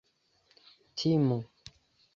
timu